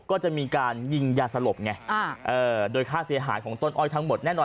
ก็จะมีการยิงยาสลบไงโดยค่าเสียหายของต้นอ้อยทั้งหมดแน่นอน